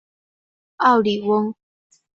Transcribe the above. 奥里翁。